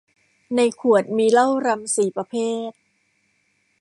ในขวดมีเหล้ารัมสี่ประเภท